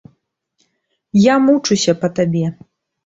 Я мучуся па табе.